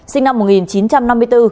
sinh năm một nghìn chín trăm năm mươi bốn